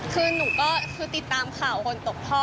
คือหนูก็คือติดตามข่าวคนตกท่อ